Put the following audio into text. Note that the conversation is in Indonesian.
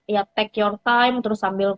ya take your time terus sambil